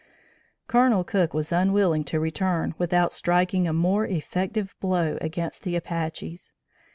Colonel Cook was unwilling to return without striking a more effective blow against the Apaches.